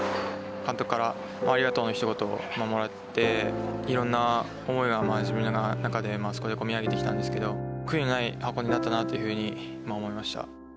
監督から、ありがとうのひと言をもらって、いろんな思いが自分の中であそこでこみ上げてきたんですけど、悔いのない箱根だったなというふうに思いました。